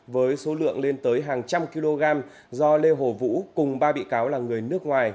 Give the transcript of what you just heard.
với số lượng lên tới hàng trăm kg do lê hồ vũ cùng ba bị cáo là người nước ngoài